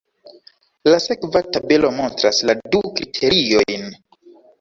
La sekva tabelo montras la du kriteriojn.